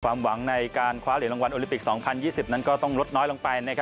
หวังในการคว้าเหรียญรางวัลโอลิปิก๒๐๒๐นั้นก็ต้องลดน้อยลงไป